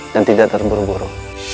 dan tidak terburu buru